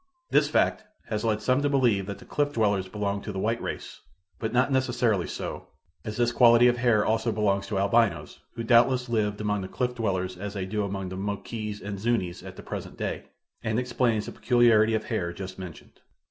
This fact has led some to believe that the cliff dwellers belonged to the white race, but not necessarily so, as this quality of hair also belongs to albinos, who doubtless lived among the cliff dwellers as they do among the Moquis and Zunis at the present day, and explains the peculiarity of hair just mentioned.